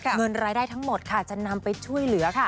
เงินรายได้ทั้งหมดค่ะจะนำไปช่วยเหลือค่ะ